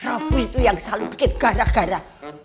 robby tuh yang selalu bikin gara gara